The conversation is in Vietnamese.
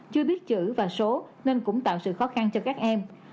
chưa biết chữ và số nên cũng tạo sự khó khăn cho các em